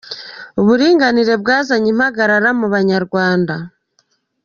Uburinganire bwazanye impagarara mubanyarwanda